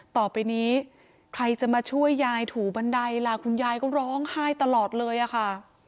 ต่อไปนี้ใครจะมาช่วยยายถูบันไดล่ะคุณยายก็ร้องไห้ตลอดเลยอะค่ะ